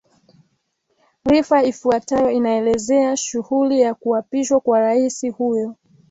rifa ifuatayo inaelezea shughuli ya kuapishwa kwa rais huyo